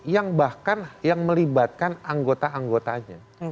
yang bahkan yang melibatkan anggota anggotanya